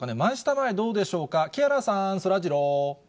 前、どうでしょうか、木原さん、そらジロー。